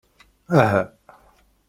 Aɛa?